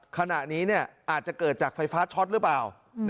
ขณะนี้อาจจะเกิดจากไฟฟ้าช็อตหรือเปล่า